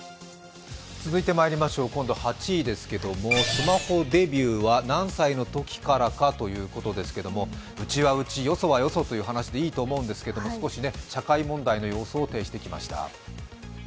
今度は８位ですけれども、スマホデビューは何歳のときからかということですけれども、うちはうち、よそはよそという話でいいと思いますけれども少し、社会問題の様相を呈してきました。